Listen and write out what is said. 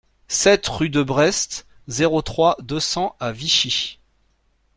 sept rue Desbrest, zéro trois, deux cents à Vichy